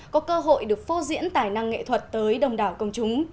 có cơ hội được phô diễn tài năng nghệ thuật tới đông đảo công chúng